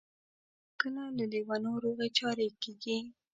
کله له لېونیو روغې چارې کیږي.